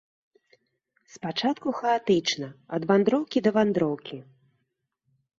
Спачатку хаатычна, ад вандроўкі да вандроўкі.